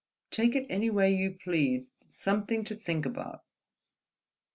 Take it any way you pleased, something to think about